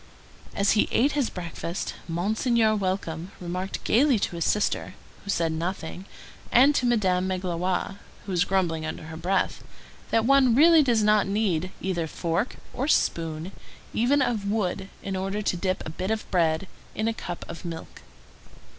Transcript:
As he ate his breakfast, Monseigneur Welcome remarked gayly to his sister, who said nothing, and to Madame Magloire, who was grumbling under her breath, that one really does not need either fork or spoon, even of wood, in order to dip a bit of bread in a cup of milk.